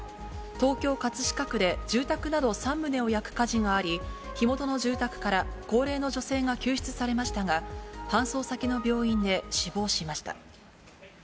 東京・葛飾区で住宅など３棟を焼く火事があり、火元の住宅から高齢の女性が救出されましたが、搬送先の病院で死亡しました。